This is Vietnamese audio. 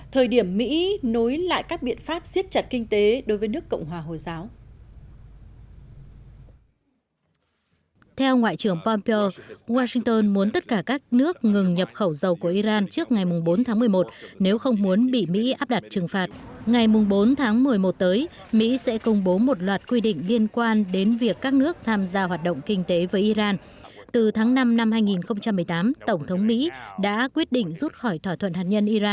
thời điểm mỹ nối lại các biện pháp xiết chặt kinh tế đối với nước cộng hòa hồi giáo